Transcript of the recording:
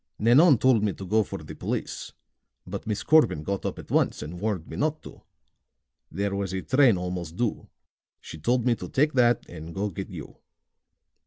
"Nanon told me to go for the police; but Miss Corbin got up at once and warned me not to. There was a train almost due; she told me to take that and go get you."